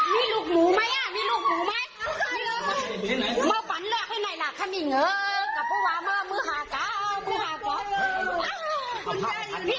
พี่มีลูกหมูมั้ยมันร้อกอยู่ข้างใน